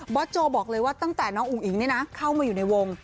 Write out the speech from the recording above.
บอสโจบอกเลยว่าตั้งแต่น้องอุ๋งอิงเนี่ยนะเข้ามาอยู่ในวง